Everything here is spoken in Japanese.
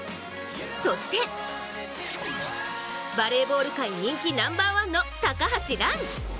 そしてバレーボール界人気ナンバーワンの高橋藍。